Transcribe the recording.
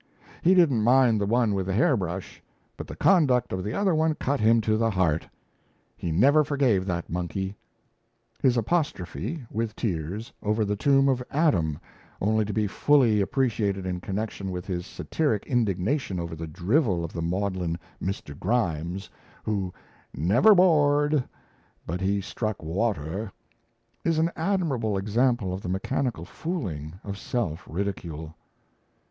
He didn't mind the one with the hair brush; but the conduct of the other one cut him to the heart. He never forgave that monkey. His apostrophe, with tears, over the tomb of Adam only to be fully appreciated in connexion with his satiric indignation over the drivel of the maudlin Mr. Grimes, who "never bored, but he struck water" is an admirable example of the mechanical fooling of self ridicule.